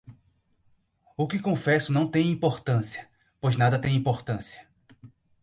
O que confesso não tem importância, pois nada tem importância.